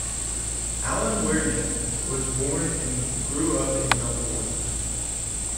Alan Wearne was born and grew up in Melbourne.